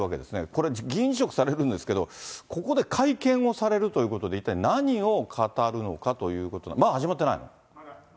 これ、議員辞職されるんですけれども、ここで会見をされるということで、一体何を語るのかということで、まだ始まってない？